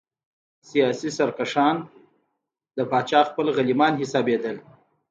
سیاسي سرکښان د پاچا خپل غلیمان حسابېدل.